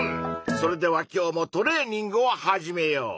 それでは今日もトレーニングを始めよう！